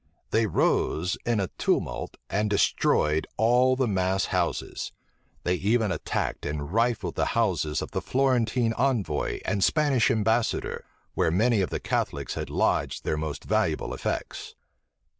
They rose in a tumult and destroyed all the mass houses. They even attacked and rifled the houses of the Florentine envoy and Spanish ambassador, where many of the Catholics had lodged their most valuable effects.